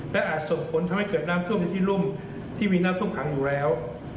และอาจส่งผลทำให้เกิดน้ำท่วมในที่รุ่มที่มีน้ำท่วมขังอยู่แล้ว